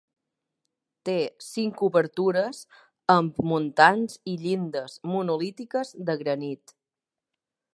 Té cinc obertures amb muntants i llindes monolítiques de granit.